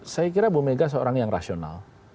saya kira bu mega seorang yang rasional